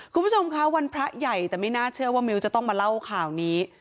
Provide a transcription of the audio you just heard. คุณผู้ชมคะวันพระใหญ่แต่ไม่น่าเชื่อว่ามิ้วจะต้องมาเล่าข่าวนี้